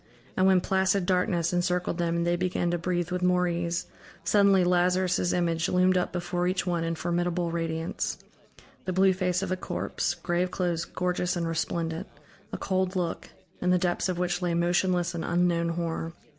And when placid darkness encircled them and they began to breathe with more ease, suddenly Lazarus' image loomed up before each one in formidable radiance: the blue face of a corpse, grave clothes gorgeous and resplendent, a cold look, in the depths of which lay motionless an unknown horror.